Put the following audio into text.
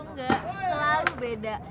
nggak selalu beda